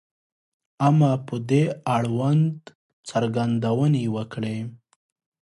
• اما په دې اړوند څرګندونې یې وکړې.